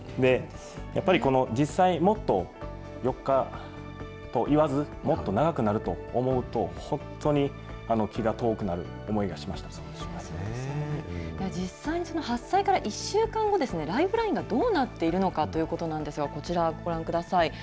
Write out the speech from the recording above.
やっぱり実際、もっと４日といわず、もっと長くなると思うと、本実際にその発災から１週間後、ライフラインがどうなっているのかということなんですが、こちらご覧ください。